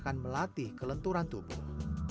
akan melatih kelenturan tubuh